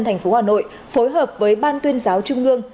thành phố hà nội phối hợp với ban tuyên giáo trung ương